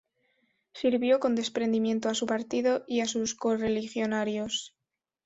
Sirvió con desprendimiento a su partido y a sus correligionarios.